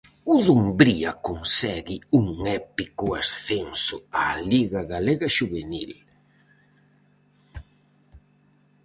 O Dumbría consegue un épico ascenso á liga galega xuvenil.